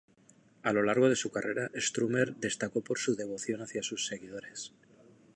A lo largo de su carrera Strummer destacó por su devoción hacia sus seguidores.